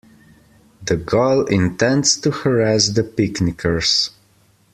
The gull intends to harass the picnickers.